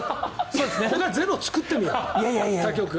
ほかゼロ作ってみよう他局。